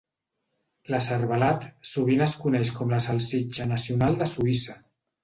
La cervelat sovint es coneix com la salsitxa nacional de Suïssa.